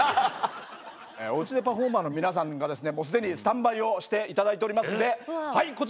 おうちでパフォーマーの皆さんがですねもうすでにスタンバイをして頂いておりますんではい。